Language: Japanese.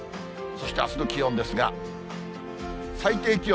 そして、あすの気温ですが、最低気温。